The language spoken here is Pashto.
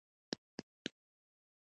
غیرتمند خپله تېروتنه مني